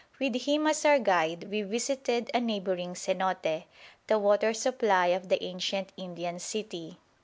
With him as our guide we visited a neighbouring cenote, the water supply of the ancient Indian city.